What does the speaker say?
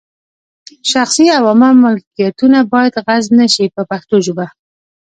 شخصي او عامه ملکیتونه باید غصب نه شي په پښتو ژبه.